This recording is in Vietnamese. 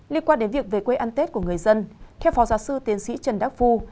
liên quan đến việc về quê ăn tết của người dân theo phó giáo sư tiến sĩ trần đắc phu